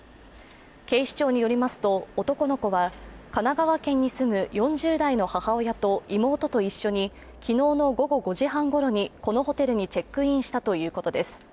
警視庁によりますと男の子は神奈川県に住む４０代の母親と妹と一緒に昨日の午後５時半ごろにこのホテルにチェックインしたということです。